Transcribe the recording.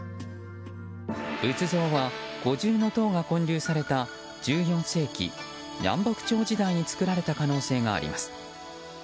仏像は五重塔が建立された１４世紀南北朝時代に作られた可能性があります。